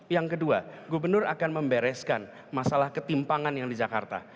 yang kedua gubernur akan membereskan masalah ketimpangan yang di jakarta